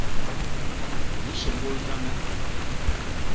U nsômbôl ndañ e?